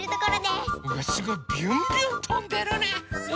すごいビュンビュンとんでるね！